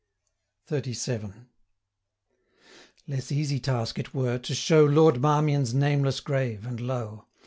XXXVII. Less easy task it were, to show Lord Marmion's nameless grave, and low.